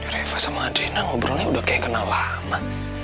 reva sama adrina ngobrolnya udah kayak kenal lama